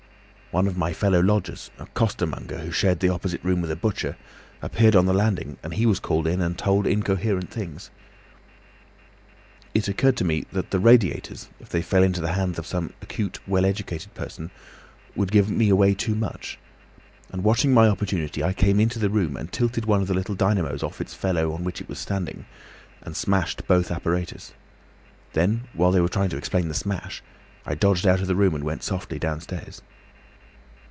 One of my fellow lodgers, a coster monger who shared the opposite room with a butcher, appeared on the landing, and he was called in and told incoherent things. "It occurred to me that the radiators, if they fell into the hands of some acute well educated person, would give me away too much, and watching my opportunity, I came into the room and tilted one of the little dynamos off its fellow on which it was standing, and smashed both apparatus. Then, while they were trying to explain the smash, I dodged out of the room and went softly downstairs.